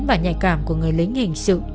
và nhạy cảm của người lính hình sự